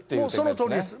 そのとおりです。